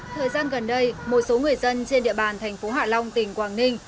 thời gian gần đây một số người dân trên địa bàn thành phố hạ long tỉnh quảng ninh